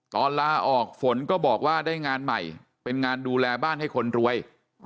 ลาออกฝนก็บอกว่าได้งานใหม่เป็นงานดูแลบ้านให้คนรวย